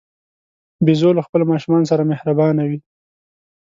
بیزو له خپلو ماشومانو سره مهربانه وي.